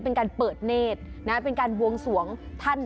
เป็นการเปิดเนธนะเป็นการบวงสวงท่าน